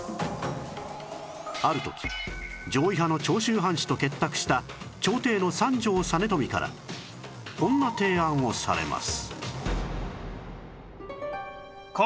ある時攘夷派の長州藩士と結託した朝廷の三条実美からこんな提案をされます